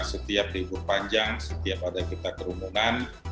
setiap libur panjang setiap ada kita kerumunan